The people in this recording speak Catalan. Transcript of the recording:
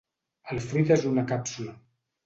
El fruit és una càpsula.